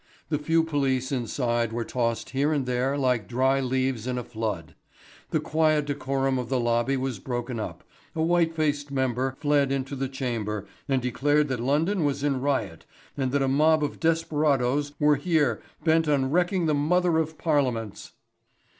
The few police inside were tossed here and there like dry leaves in a flood; the quiet decorum of the lobby was broken up, a white faced member fled into the chamber and declared that London was in riot and that a mob of desperadoes were here bent on wrecking the mother of parliaments.